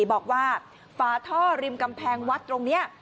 บอกว่าฝาท่อริมกำแพงวัดตรงนี้